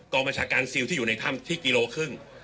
บัญชาการซิลที่อยู่ในถ้ำที่กิโลครึ่ง